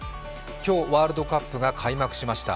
今日ワールドカップが開幕しました。